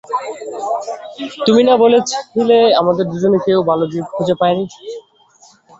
তুমি না বলেছিলে আমাদের দুজনের কেউই ভালো গিফট খুঁজে পায়নি?